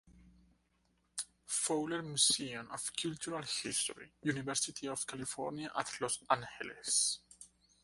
Fowler Museum of Cultural History, University of California at Los Angeles.